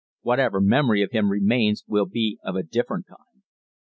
Whatever memory of him remains will be of a different kind.